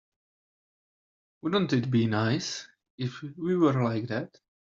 Wouldn't it be nice if we were like that?